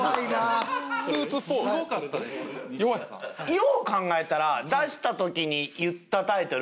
よう考えたら出した時に言ったタイトル